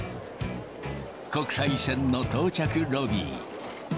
国際線の到着ロビー。